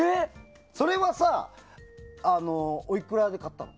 それはおいくらで買ったの？